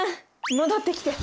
戻ってきて。